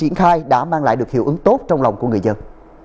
chương trình tàu vé đã mang lại được hiệu ứng tốt trong lòng của người dân